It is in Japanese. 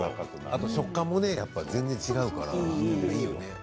あと食感もねやっぱ全然違うからいいよね。